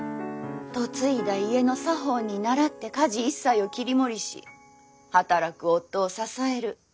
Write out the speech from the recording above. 嫁いだ家の作法に倣って家事一切を切り盛りし働く夫を支える。